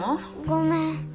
ごめん。